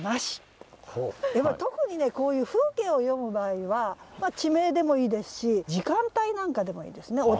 特にねこういう風景を詠む場合は地名でもいいですし時間帯なんかでもいいですね。